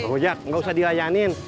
ojek gak usah dilayanin